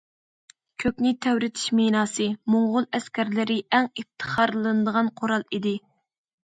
« كۆكنى تەۋرىتىش مىناسى» موڭغۇل ئەسكەرلىرى ئەڭ ئىپتىخارلىنىدىغان قورال ئىدى.